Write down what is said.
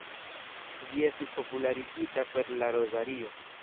Ĝi estis popularigita per la rozario.